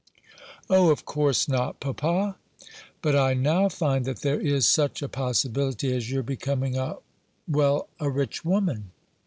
"O, of course not, papa." "But I now find that there is such a possibility as your becoming a well a rich woman."